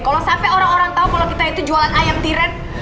kalau sampai orang orang tahu kalau kita itu jualan ayam tiren